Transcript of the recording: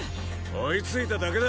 追いついただけだ！